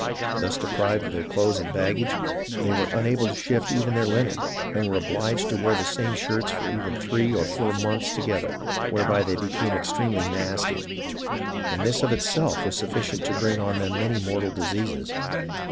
Thus de prived of their clothes and baggage, they were unable to 150 HISTORY OF THE AMERICAN REVOLUTION shift even their linen, and were obliged to wear the same shirts for even three or four months together, whereby they became extremely nasty ; and this of itself was suffi cient to bring on them many mortal diseases.